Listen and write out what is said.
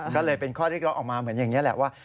ก็เลยเป็นข้อเรียกร้องออกมาเหมือนอย่างนี้แหละว่า